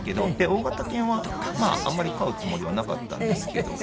大型犬はあんまり飼うつもりはなかったんですけど。